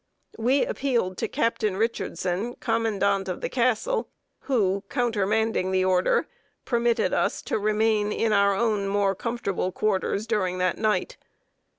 We appealed to Captain Richardson, Commandant of the Castle, who, countermanding the order, permitted us to remain in our own more comfortable quarters during the night.